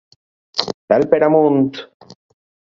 Pèl per amunt.